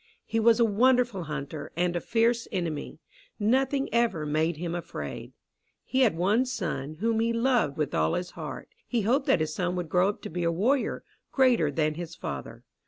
He was a wonderful hunter and a fierce enemy. Nothing ever made him afraid. He had one son, whom he loved with all his heart. He hoped that this son would grow up to be a warrior, greater than his father.